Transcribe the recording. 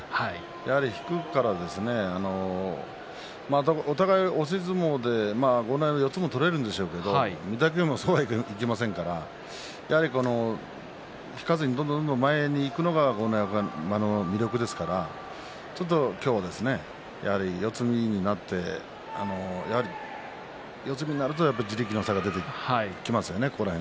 やはり引くからお互い押し相撲で豪ノ山は四つでも取れるんですが御嶽海はそうはいきませんから引かずにどんどん前に行くのが豪ノ山の魅力ですからちょっと今日はやはり四つ身になってやはり四つ身になると地力の差が出てきますよね。